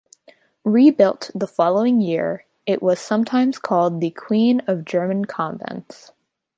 Rebuilt the following year, it was sometimes called the Queen of German Convents.